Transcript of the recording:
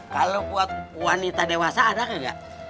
kalau buat wanita dewasa ada nggak